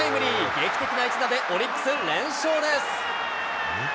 劇的な一打でオリックス、連勝です。